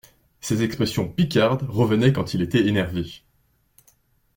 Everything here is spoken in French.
Ses expressions picardes revenaient quand il était énervé.